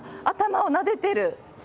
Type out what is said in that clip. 頭をなでてる。